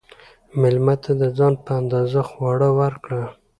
مېلمه ته د ځان په اندازه خواړه ورکړه.